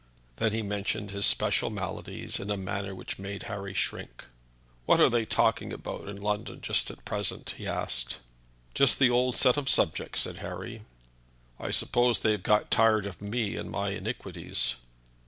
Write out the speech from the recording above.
Then he mentioned his special maladies in a manner which made Harry shrink. "What are they talking about in London just at present?" he asked. "Just the old set of subjects," said Harry. "I suppose they have got tired of me and my iniquities?"